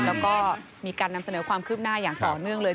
แล้วก็มีการนำเสนอความคืบหน้าอย่างต่อเนื่องเลย